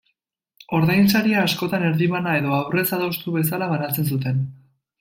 Ordainsaria askotan erdibana edo aurrez adostu bezala banatzen zuten.